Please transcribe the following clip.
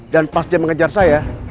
dan pas dia mengejar saya